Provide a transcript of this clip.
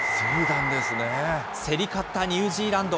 競り勝ったニュージーランド。